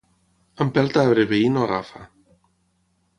Empelt a arbre veí no agafa.